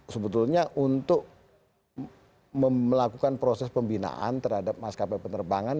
sebetulnya untuk melakukan proses pembinaan terhadap maskapai penerbangan